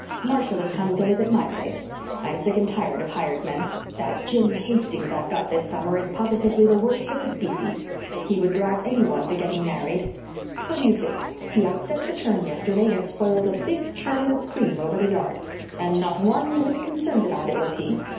Marshall is coming to live at my place. I'm sick and tired of hired men. That Jim Hastings I've got this summer is positively the worst of the species. He would drive anyone to getting married. What do you think? He upset the churn yesterday and spilled a big churning of cream over the yard. And not one whit concerned about it was he!